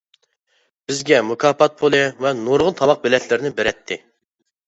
بىزگە مۇكاپات پۇلى ۋە نۇرغۇن تاماق بېلەتلىرىنى بېرەتتى.